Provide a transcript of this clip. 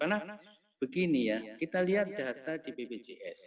karena begini ya kita lihat data di bpjs